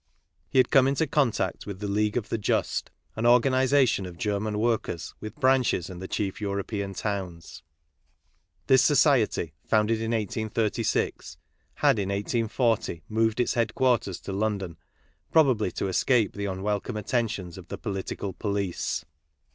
He had come into contact with the League of the Just, an organization of German workers with branches in the chief European towns. This society, founded in 1836, had in 1840 moved its headquarters to London, pro bably to escape the unwelcome attention s^jpf the political police.